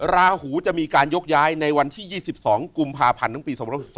ราหูจะมีการยกย้ายในวันที่๒๒กุมภาพันธ์ถึงปี๒๐๑๒